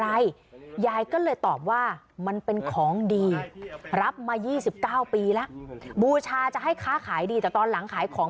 ไม่อยากให้แม่เป็นอะไรไปแล้วนอนร้องไห้แท่ทุกคืน